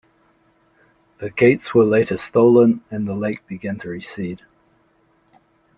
The gates were later stolen and the lake began to recede.